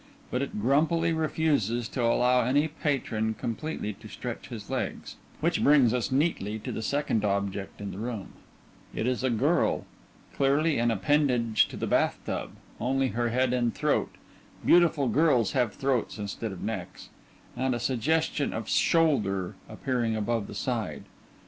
But it grumpily refuses to allow any patron completely to stretch his legs which brings us neatly to the second object in the room:_ _It is a girl clearly an appendage to the bath tub, only her head and throat beautiful girls have throats instead of necks and a suggestion of shoulder appearing above the side.